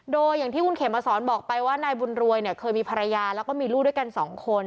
โดยอย่างที่คุณเขมมาสอนบอกไปว่านายบุญรวยเนี่ยเคยมีภรรยาแล้วก็มีลูกด้วยกันสองคน